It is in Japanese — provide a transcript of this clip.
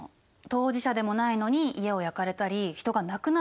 当事者でもないのに家を焼かれたり人が亡くなったりしたの。